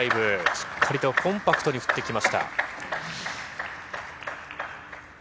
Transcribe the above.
しっかりとコンパクトに振ってきました。